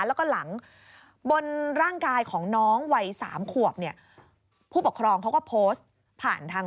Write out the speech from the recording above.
แล้วก็หลังบนร่างกายของน้องวัย๓ขวบเนี่ยผู้ปกครองเขาก็โพสต์ผ่านทาง